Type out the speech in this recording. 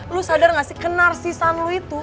lu sadar gak sih kenar sisaan lu itu